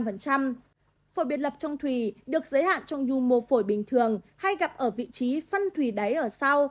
phổi biệt lập trong thủy được giới hạn trong nhu mô phổi bình thường hay gặp ở vị trí phân thủy đáy ở sau